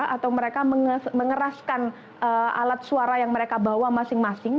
atau mereka mengeraskan alat suara yang mereka bawa masing masing